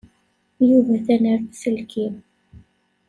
Yuba atan ɣer uselkim.